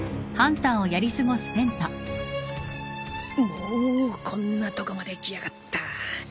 もうこんなとこまで来やがった。